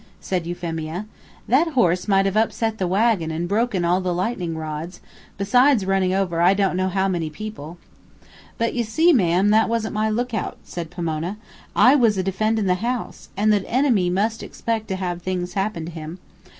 said Euphemia. "That horse might have upset the wagon and broken all the lightning rods, besides running over I don't know how many people." "But you see, ma'am, that wasn't my lookout," said Pomona. "I was a defendin' the house, and the enemy must expect to have things happen to him.